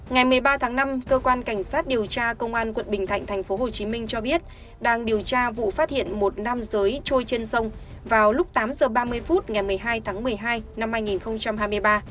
ngày một mươi ba tháng năm cơ quan cảnh sát điều tra công an quận bình thạnh tp hcm cho biết đang điều tra vụ phát hiện một nam giới trôi trên sông vào lúc tám h ba mươi phút ngày một mươi hai tháng một mươi hai năm hai nghìn hai mươi ba